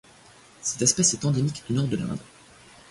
Cette espèce est endémique du Nord de l'Inde.